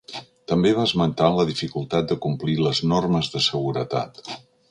També va esmentar la dificultat de complir les normes de seguretat.